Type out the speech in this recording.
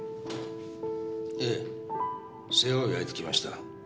ええ世話を焼いてきました。